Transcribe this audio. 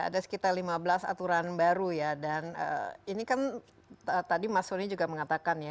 ada sekitar lima belas aturan baru ya dan ini kan tadi mas soni juga mengatakan ya